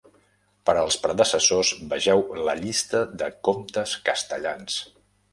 Per als predecessors, vegeu la llista de comptes castellans.